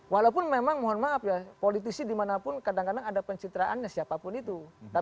walaupun memang mohon maaf ya politisi dimanapun kadang kadang ada pencitraannya siapapun itu